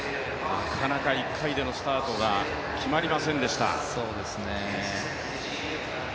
なかなか１回でのスタートが決まりませんでした。